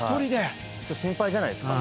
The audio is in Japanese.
心配じゃないですか。